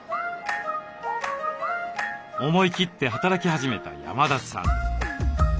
思い切って働き始めた山田さん。